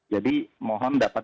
jadi mohon dapat